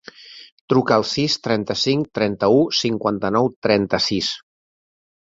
Truca al sis, trenta-cinc, trenta-u, cinquanta-nou, trenta-sis.